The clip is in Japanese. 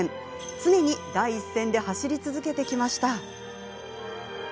常に第一線で走り続けてきました。